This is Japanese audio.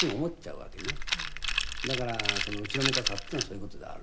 「だから後ろめたさっていうのはそういう事である」